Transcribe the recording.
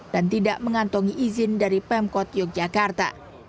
dan tidak mengantongi izin dari pemkot yogyakarta